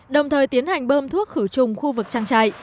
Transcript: đồng thời tiến hành bơm thuốc khử trùng khu vực trang trại